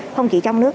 không chỉ trong nước